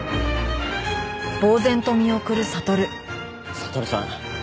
悟さん